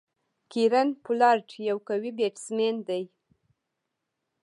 کیرن پولارډ یو قوي بيټسمېن دئ.